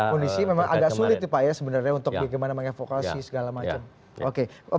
kondisi memang agak sulit ya pak sebenarnya untuk bagaimana mengadakan evokasi segala macam